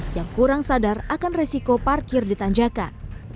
yang kurang sadar akan resiko parkir ditanjakan